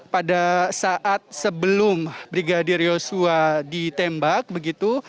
pada saat sebelum brigadir yosua ditembak begitu